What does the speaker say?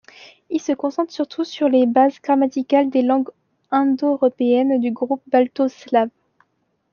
Il se concentre surtout sur les bases grammaticales des langues indo-européennes du groupe balto-slave.